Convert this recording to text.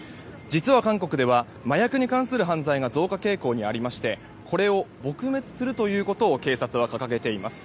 実は韓国では麻薬に関する犯罪が増加傾向にありましてこれを撲滅することを警察は掲げています。